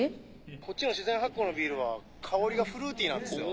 こっちの自然発酵のビールは香りがフルーティーなんですよ。